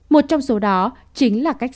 một trong số đó chính là cách